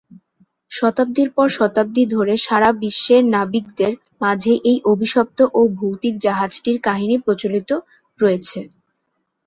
শতাব্দীর পর শতাব্দী ধরে সাড়া বিশ্বে নাবিকদের মাঝে এই অভিশপ্ত ও ভৌতিক জাহাজটির কাহিনী প্রচলিত রয়েছে।